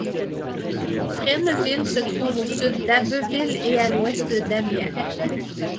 Fresneville se trouve au sud d'Abbeville et à l'ouest d'Amiens.